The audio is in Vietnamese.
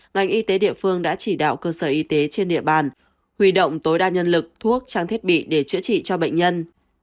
ngành y tế địa phương đã chỉ đạo cơ sở y tế trên địa bàn huy động tối đa nhân lực thuốc trang thiết bị để chữa trị cho bệnh nhân